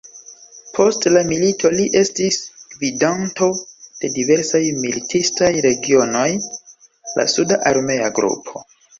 Post la milito li estis gvidanto de diversaj militistaj regionoj, la suda armea grupo.